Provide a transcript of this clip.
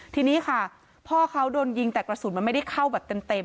ทีนี้ค่ะพ่อเขาโดนยิงแต่กระสุนมันไม่ได้เข้าแบบเต็ม